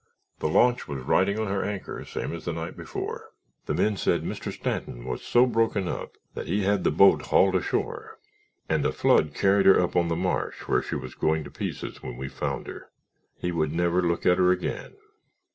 The launch was riding on her anchor same as the night before. The men said Mr. Stanton was so broken up that he had the boat hauled ashore and a flood carried her up on the marsh where she was going to pieces when we found her. He would never look at her again.